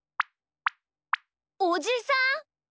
おじさん！？